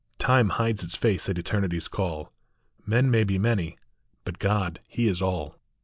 Time hides its face at Eternity s call ; Men may be many, but God he is all.